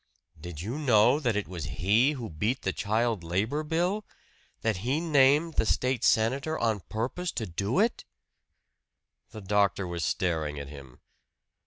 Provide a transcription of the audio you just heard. "Did you know that it was he who beat the child labor bill that he named the State senator on purpose to do it?" The doctor was staring at him.